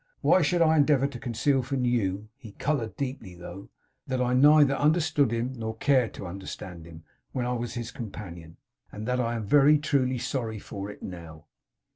Why should I endeavour to conceal from you' he coloured deeply though 'that I neither understood him nor cared to understand him when I was his companion; and that I am very truly sorry for it now!